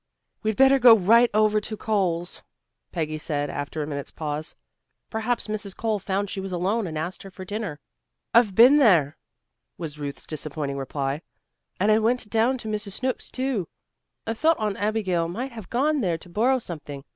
"We'd better go right over to Coles'," Peggy said after a minute's pause. "Perhaps Mrs. Cole found she was alone, and asked her to dinner." "I've been there," was Ruth's disappointing reply. "And I went down to Mrs. Snooks', too. I thought Aunt Abigail might have gone there to borrow something.